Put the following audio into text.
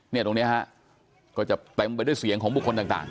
เนี่ยตรงนี้ฮะก็จะแปลงไปด้วยเสียงของบุคคลต่าง